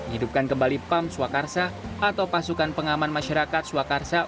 hidupkan kembali pam swakarsa atau pasukan pengaman masyarakat swakarsa